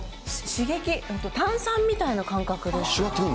刺激、本当、炭酸みたいな感覚で。